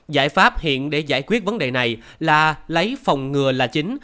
giải pháp hiện để giải quyết vấn đề này là lấy phòng ngừa là chính